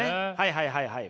はいはいはい。